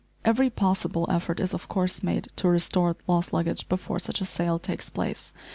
Every possible effort is of course made to restore lost luggage before such a sale takes place.